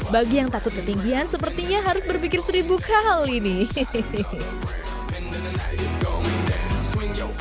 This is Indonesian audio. bagi yang takut ketinggian sepertinya harus berpikir seribu kali nih hehehe